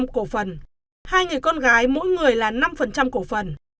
bốn chín cổ phần hai người con gái mỗi người là năm cổ phần